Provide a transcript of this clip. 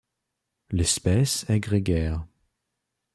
L'espèce est grégaire.